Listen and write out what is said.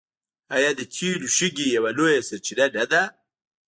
آیا د تیلو شګې یوه لویه سرچینه نه ده؟